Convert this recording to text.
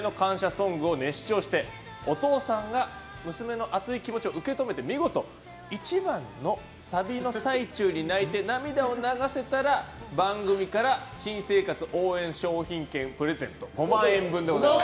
ソングを熱唱してお父さんが娘の熱い気持ちをしっかり受け止めて見事１番のサビの最中に泣いて涙を流せたら番組から新生活応援商品券プレゼント。